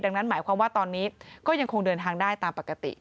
ดังนั้นหมายความว่าตอนนี้ก็ยังคงเดินทางได้ตามปกติ